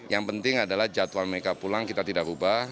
yang penting adalah jadwal mereka pulang kita tidak ubah